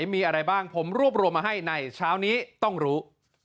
มีอะไรบ้างผมรวบรวมมาให้ในเช้านี้ต้องรู้